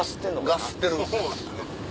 ガスってる。